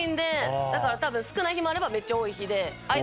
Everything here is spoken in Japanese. だから多分少ない日もあればめっちゃ多い日で。